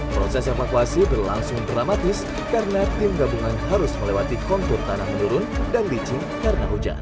proses evakuasi berlangsung dramatis karena tim gabungan harus melewati kontur tanah menurun dan licin karena hujan